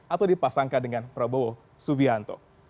atau dipasangkan dengan prabowo subianto